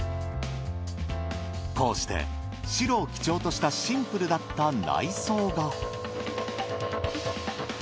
こうして白を基調としたシンプルだった内装が。